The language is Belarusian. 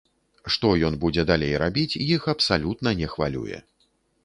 Што ён будзе далей рабіць, іх абсалютна не хвалюе.